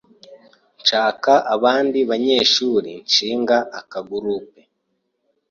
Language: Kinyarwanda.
nshaka abandi banyeshuri nshinga aka groupe